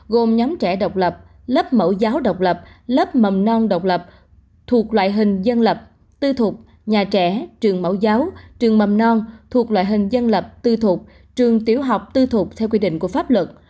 gồm nhóm trẻ độc lập lớp mẫu giáo độc lập lớp mầm non độc lập thuộc loại hình dân lập tư thục nhà trẻ trường mẫu giáo trường mầm non thuộc loại hình dân lập tư thuộc trường tiểu học tư thuộc theo quy định của pháp luật